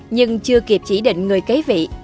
nhưng chưa kịp chỉ định người kế vị